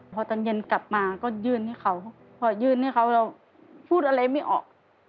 พอตอนเย็นกลับมาก็ยื่นให้เขาพอยื่นให้เขาเราพูดอะไรไม่ออก